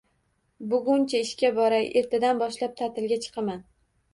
Buguncha ishga boray, ertadan boshlab ta’tilga chiqaman.